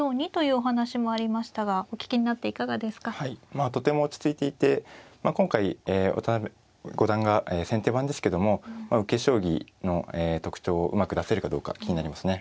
まあとても落ち着いていて今回渡辺五段が先手番ですけども受け将棋の特徴をうまく出せるかどうか気になりますね。